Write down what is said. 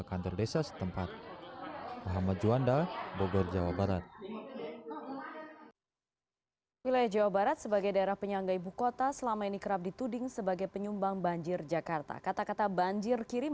jangan berulang lagi saya kira tidak di momen sekarang